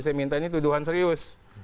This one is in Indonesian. saya minta ini tuduhan serius